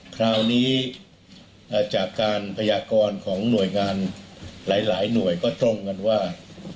คราวนี้จากการพยากรของหน่วยงานหลายหน่วยก็ตรงกันว่า